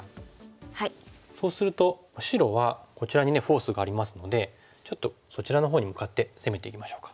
そうすると白はこちらにねフォースがありますのでちょっとそちらのほうに向かって攻めていきましょうか。